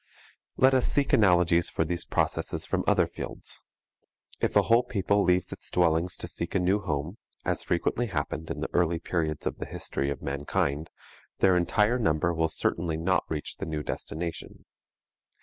Let us seek analogies for these processes from other fields. If a whole people leaves its dwellings to seek a new home, as frequently happened in the early periods of the history of mankind, their entire number will certainly not reach the new destination.